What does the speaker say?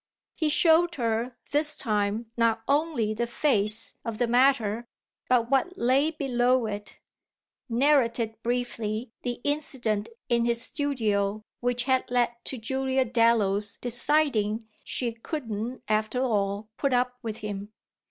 He showed her this time not only the face of the matter, but what lay below it; narrated briefly the incident in his studio which had led to Julia Dallow's deciding she couldn't after all put up with him.